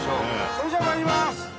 それじゃあ参ります。